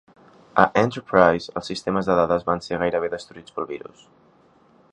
A "Enterprise", els sistemes de dades van ser gairebé destruïts pel virus.